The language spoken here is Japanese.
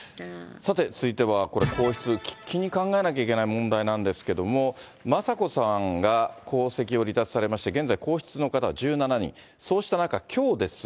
さて、続いてはこれ、皇室、喫緊に考えなきゃいけない問題なんですけれども、眞子さんが皇室を離脱されまして、現在皇室の方は１７人、そうした中、きょうです。